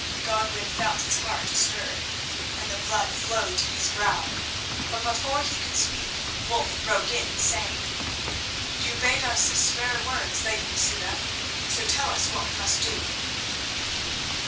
Godwin felt his heart stir and the blood flow to his brow, but before he could speak Wulf broke in, saying: "You bade us spare words, lady Masouda, so tell us what we must do."